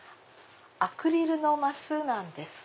アクリルの升なんです。